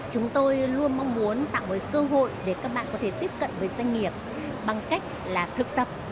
chúng tôi luôn mong muốn tạo một cơ hội để các bạn có thể tiếp cận với doanh nghiệp bằng cách là thực tập